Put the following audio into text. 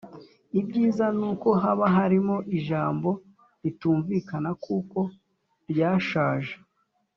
ibyiza ni uko haba harimo ijambo ritumvikana kuko ryashaje